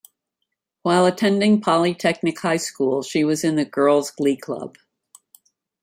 While attending Polytechnic High School she was in the Girls' Glee Club.